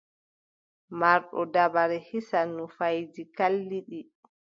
Marɗo dabare hisan nufayeeji kalliɗi.